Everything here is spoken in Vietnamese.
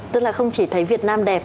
tức là không chỉ thấy việt nam đẹp